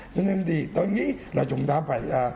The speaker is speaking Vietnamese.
cho nên thì tôi nghĩ là chúng ta phải